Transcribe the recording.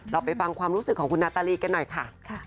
ไปฟังความรู้สึกของคุณนาตาลีกันหน่อยค่ะ